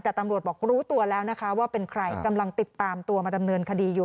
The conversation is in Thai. แต่ตำรวจบอกรู้ตัวแล้วนะคะว่าเป็นใครกำลังติดตามตัวมาดำเนินคดีอยู่